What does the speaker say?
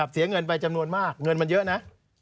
เสียเงินไปจำนวนมากเงินมันเยอะนะ